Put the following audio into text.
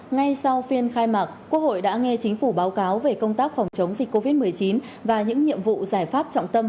ngay sau phiên khai mạc quốc hội đã nghe chính phủ báo cáo về công tác phòng chống dịch covid một mươi chín và những nhiệm vụ giải pháp trọng tâm